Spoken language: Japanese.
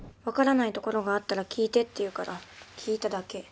分からないところがあったら聞いてっていうから聞いただけ。